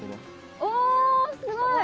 おすごい！